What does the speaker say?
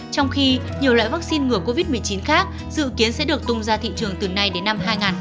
trong khi nhiều loại vắc xin ngừa covid một mươi chín khác dự kiến sẽ được tung ra thị trường từ nay đến năm hai nghìn hai mươi ba